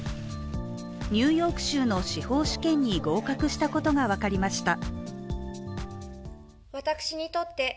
ニューヨーク州の司法試験に合格したことが分かりました。